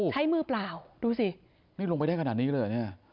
ใช้มือเปล่าดูสินี่ลงไปได้ขนาดนี้เลยเหรอเนี่ย